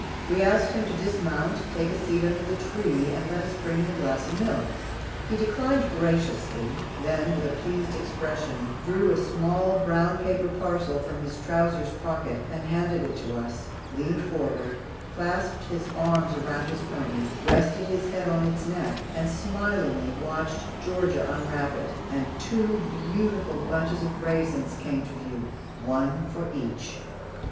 We asked him to dismount, take a seat under the tree, and let us bring him a glass of milk. He declined graciously, then with a pleased expression, drew a small brown paper parcel from his trousers pocket and handed it to us, leaned forward, clasped his arms about his pony, rested his head on its neck, and smilingly watched Georgia unwrap it, and two beautiful bunches of raisins come to view, one for each.